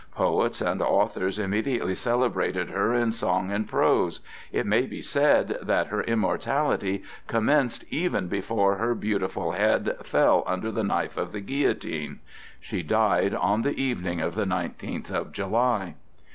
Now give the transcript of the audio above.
Poets and authors immediately celebrated her in song and prose; it may be said that her immortality commenced even before her beautiful head fell under the knife of the guillotine. She died on the evening of the nineteenth of July.